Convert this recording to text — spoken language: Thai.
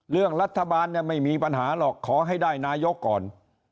เรื่องรัฐบาลเนี่ยไม่มีปัญหาหรอกขอให้ได้นายกก่อน